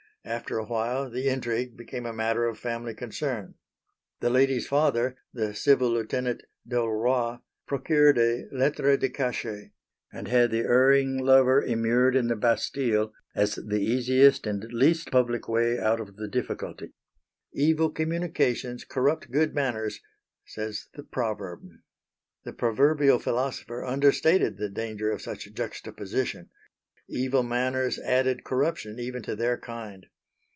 After a while the intrigue became a matter of family concern. The lady's father, the Civil Lieutenant d'Aulroy, procured a lettre de cachet, and had the erring lover immured in the Bastille as the easiest and least public way out of the difficulty. "Evil communications corrupt good manners," says the proverb. The proverbial philosopher understated the danger of such juxtaposition. Evil manners added corruption even to their kind.